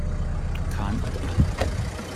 Khan et al.